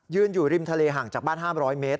อยู่ริมทะเลห่างจากบ้าน๕๐๐เมตร